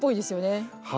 はい。